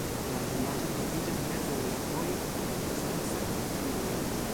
La vilaĝo troviĝas meze de la vojo Cuenca-Teruel.